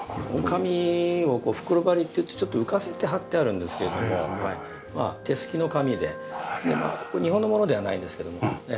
紙を袋張りっていってちょっと浮かせて張ってあるんですけれども手すきの紙で日本のものではないんですけどもミャンマーのもので。